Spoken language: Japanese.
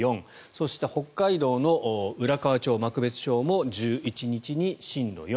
そして北海道の浦河町、幕別町も１１日に震度４。